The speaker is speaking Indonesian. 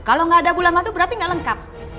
kalau gak ada bulan madu berarti gak lengkap